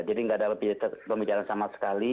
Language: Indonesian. jadi enggak ada lebih pembicaraan sama sekali